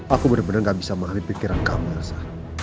aku bener bener gak bisa mengalami pikiran kamu yasa